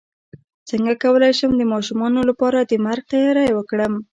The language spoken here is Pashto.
څنګه کولی شم د ماشومانو لپاره د مرګ تیاری وکړم